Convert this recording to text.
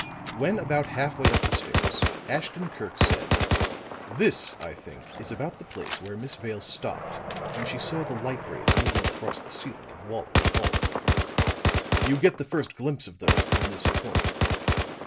When about half way up the stairs, Ashton Kirk said: "This, I think, is about the place where Miss Vale stopped when she saw the light rays moving across the ceiling and wall of the hall. You get the first glimpse of those from this point.